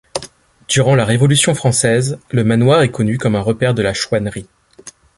Durant la Révolution française, le manoir est connu comme un repère de la chouannerie.